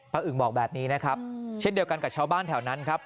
อึงบอกแบบนี้นะครับเช่นเดียวกันกับชาวบ้านแถวนั้นครับ